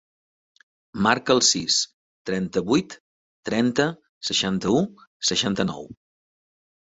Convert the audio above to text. Marca el sis, trenta-vuit, trenta, seixanta-u, seixanta-nou.